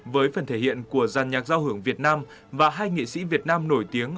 với phần thể hiện của gian nhạc giao hưởng việt nam và hai nghệ sĩ việt nam nổi tiếng